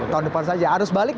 tahun depan saja arus balik